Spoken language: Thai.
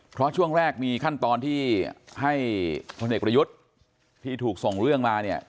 เพราะช่วงแรกมีขั้นตอนที่ให้พลเอกประยุทธ์ที่ถูกส่งเรื่องมาเนี่ย